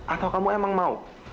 atau kamu emang mau